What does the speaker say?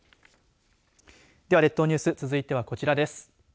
では、列島ニュース続いてはこちらです。